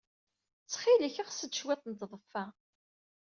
Ttxil-k, seɣ-d cwiṭ n tḍeffa.